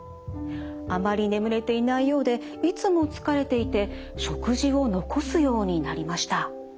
あまり眠れていないようでいつも疲れていて食事を残すようになりました。